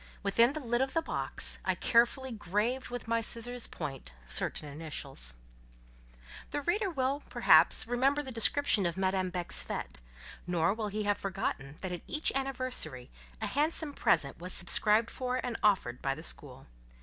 Within the lid of the box, I carefully graved with my scissors' point certain initials. The reader will, perhaps, remember the description of Madame Beck's fête; nor will he have forgotten that at each anniversary, a handsome present was subscribed for and offered by the school.